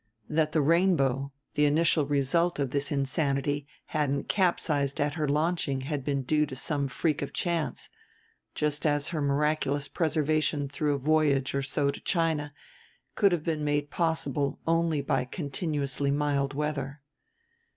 That the Rainbow, the initial result of this insanity, hadn't capsized at her launching had been due to some freak of chance; just as her miraculous preservation through a voyage or so to China could have been made possible only by continuously mild weather.